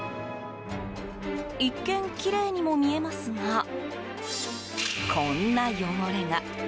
一見、きれいにも見えますがこんな汚れが。